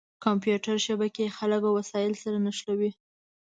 کمپیوټر شبکې خلک او وسایل سره نښلوي.